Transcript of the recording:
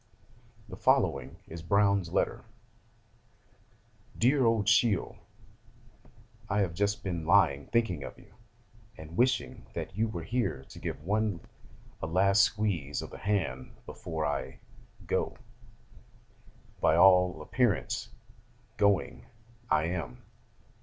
] The following is Browne's letter: 'DEAR OLD SHIEL, I have just been lying thinking of you, and wishing that you were here to give one a last squeeze of the hand before I "go": for, by all appearance, "going" I am.